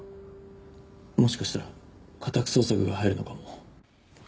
もしかしたら家宅捜索が入るのかも。